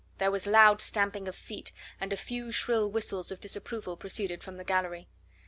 There was loud stamping of feet, and a few shrill whistles of disapproval proceeded from the gallery.